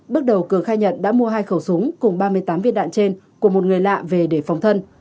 bước đầu cường khai nhận đã mua hai khẩu súng cùng ba mươi tám viên đạn trên của một người lạ về để phòng thân